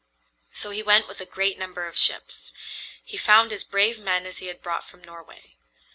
So he went with a great number of ships. He found as brave men as he had brought from Norway.